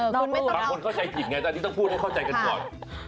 บางคนเข้าใจผิดไงตอนนี้ต้องพูดให้เข้าใจกันก่อน